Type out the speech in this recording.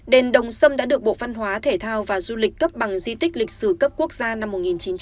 đền đồng sâm đã được bộ phân hóa thể thao và du lịch cấp bằng di tích lịch sử cấp quốc gia năm một nghìn chín trăm chín mươi